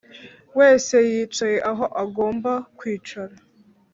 wese yicaye aho agomba kwicara,